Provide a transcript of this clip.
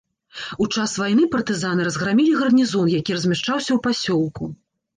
У час вайны партызаны разграмілі гарнізон, які размяшчаўся ў пасёлку.